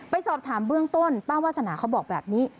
สอบถามเบื้องต้นป้าวาสนาเขาบอกแบบนี้